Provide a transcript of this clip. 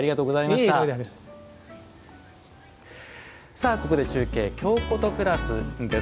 さあここで中継「京コト＋」です。